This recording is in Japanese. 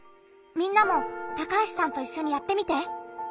みんなも高橋さんといっしょにやってみて。